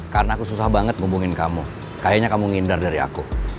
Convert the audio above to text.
karena aku susah banget ngubungin kamu kayaknya kamu ngindar dari aku